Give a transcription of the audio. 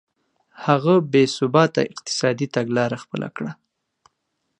هغه بې ثباته اقتصادي تګلاره خپله کړه.